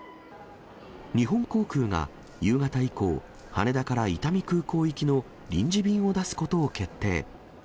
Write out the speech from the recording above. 日本航空が夕方以降、羽田から伊丹空港行きの臨時便を出すことを決定。